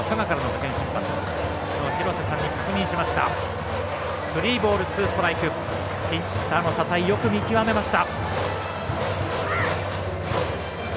ピンチヒッターの笹井よく見極めました。